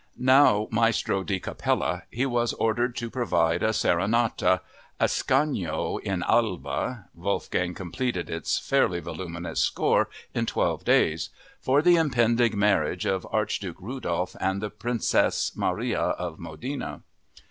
Now "Maestro di Cappella," he was ordered to provide a serenata—Ascanio in Alba (Wolfgang completed its fairly voluminous score in twelve days)—for the impending marriage of Archduke Rudolf and the Princess Maria of Modena.